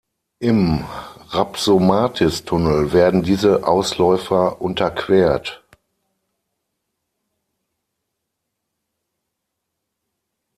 Im Rapsomatis-Tunnel werden diese Ausläufer unterquert.